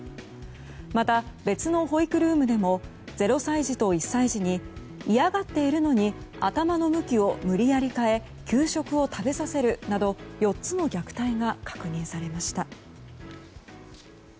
また別の保育ルームでも０歳児と１歳児に嫌がっているのに頭の向きを無理やり変え給食を食べさせるなど４つの虐待が確認されました。